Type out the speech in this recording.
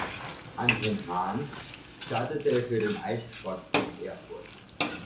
Anton Hahn startete für den Eissportclub Erfurt.